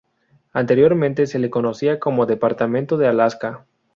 Anteriormente se le conocía como Departamento de Alaska.